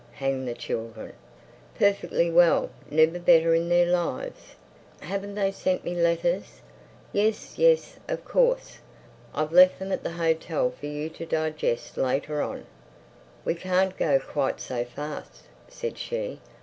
(Hang the children!) "Perfectly well. Never better in their lives." "Haven't they sent me letters?" "Yes, yes—of course! I've left them at the hotel for you to digest later on." "We can't go quite so fast," said she.